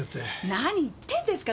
何言ってんですか！